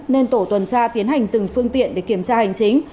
nên tổ tuần tra tiến hành dừng phương tiện để kiểm tra hành chính